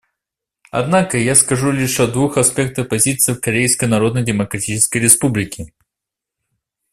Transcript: Однако я скажу лишь о двух аспектах позиции Корейской Народно-Демократической Республики.